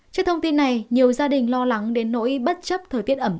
trước thông tin này nhiều gia đình lo lắng đến nỗi bất chấp thời tiết ẩm